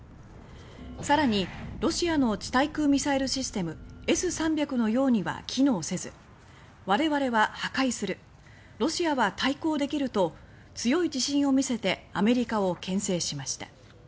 更に、ロシアの地対空ミサイルシステム「Ｓ３００」のようには機能せず「我々は破壊する」「ロシアは対抗できる」と強い自信を見せてアメリカをけん制しました。